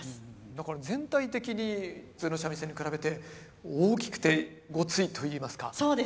だから全体的に普通の三味線に比べて大きくてごついといいますか特徴ですね。